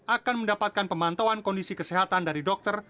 akan mendapatkan pemantauan kondisi kesehatan dari dokter